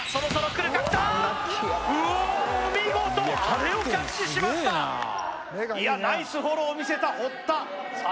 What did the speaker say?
あれをキャッチしましたいやナイスフォローをみせた堀田さあ